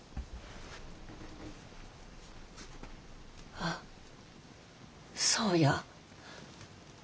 あっそうや。